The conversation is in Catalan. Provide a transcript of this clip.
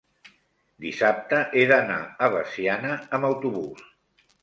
dissabte he d'anar a Veciana amb autobús.